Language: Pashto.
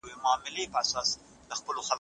ډاکټره د لوړ ږغ سره پاڼه ړنګوي.